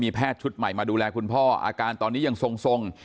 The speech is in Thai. แพทย์ชุดใหม่มาดูแลคุณพ่ออาการตอนนี้ยังทรง